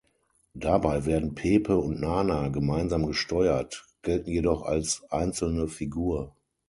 Dabei werden Pepe und Nana gemeinsam gesteuert, gelten jedoch als einzelne Figur.